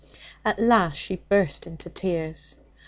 At last she burst into tears.